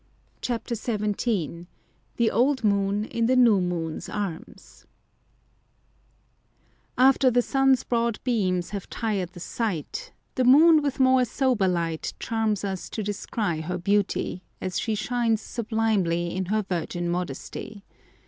CHAPTER XVII THE OLD MOON IN THE NEW MOON'S ARMS After the sun's broad beams have tired the sight, the moon with more sober light charms us to descry her beauty, as she shines sublimely in her virgin modesty.